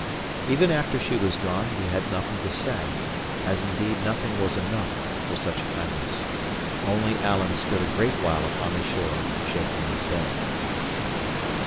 Even after she was gone, we had nothing to say, as indeed nothing was enough for such a kindness. Only Alan stood a great while upon the shore shaking his head.